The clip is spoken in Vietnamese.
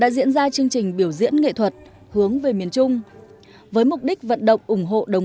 đã diễn ra chương trình biểu diễn nghệ thuật hướng về miền trung với mục đích vận động ủng hộ đồng